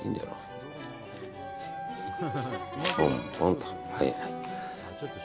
ポンポンと。